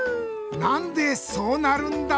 なんでそうなるんだ